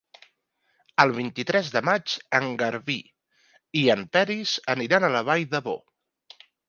El vint-i-tres de maig en Garbí i en Peris aniran a la Vall d'Ebo.